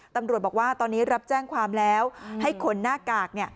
ตำรวจบอกว่าตอนนี้รับแจ้งความแล้วให้ขนหน้ากาก